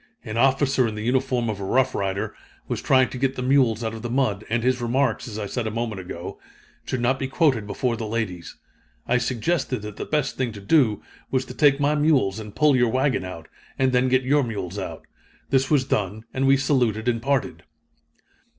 An officer in the uniform of a Rough Rider was trying to get the mules out of the mud, and his remarks, as I said a moment ago, should not be quoted before the ladies. I suggested that the best thing to do, was to take my mules and pull your wagon out, and then get your mules out. This was done, and we saluted and parted."